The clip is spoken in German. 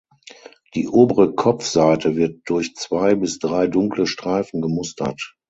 Die obere Kopfseite wird durch zwei bis drei dunkle Streifen gemustert.